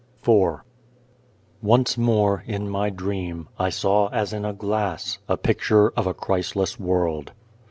208 IV ONCE more, in my dream, I saw, as in a glass, a picture of a Christless world.